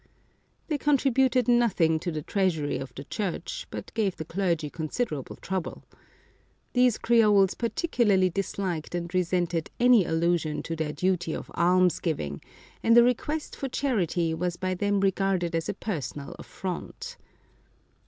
They contributed nothing to the treasury of the Church, but gave the clergy considerable trouble. 270 Chiapa Chocolate These Creoles particularly disliked and resented any allusion to their duty of almsgiving, and a request for charity was by them regarded as a personal affront.